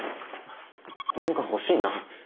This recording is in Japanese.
何か欲しいな。